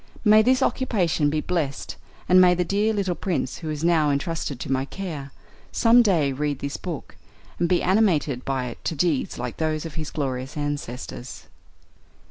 May this occupation be blessed, and may the dear little Prince who is now entrusted to my care, some day read this book, and be animated by it to deeds like those of his glorious ancestors.